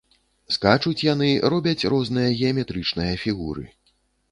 Скачуць яны, робяць розныя геаметрычныя фігуры.